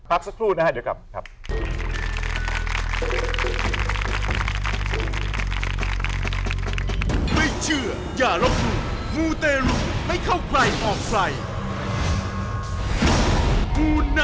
ปั๊บสักครู่นะครับเดี๋ยวก่อนครับ